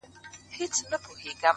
و تاسو ته يې سپين مخ لارښوونکی، د ژوند،